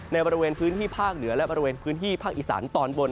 ในบริเวณพื้นที่ภาคเหนือและบริเวณพื้นที่ภาคอีสานตอนบน